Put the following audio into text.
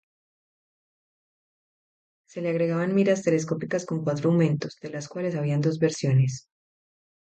Se le agregaban miras telescópicas con cuatro aumentos, de las cuales había dos versiones.